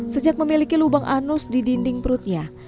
sejak memiliki lubang anus di dinding perutnya